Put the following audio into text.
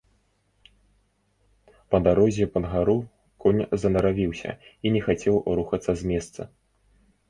Па дарозе, пад гару, конь занаравіўся і не хацеў рухацца з месца.